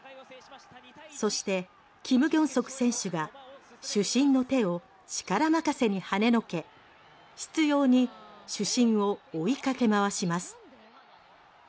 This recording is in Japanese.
そしてキム・ギョンソク選手が主審の手を力任せにはねのけ主審を追いかけ回します。